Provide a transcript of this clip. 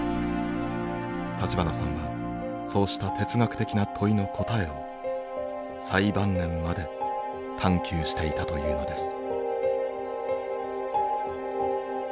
立花さんはそうした哲学的な問いの答えを最晩年まで探求していたというのです。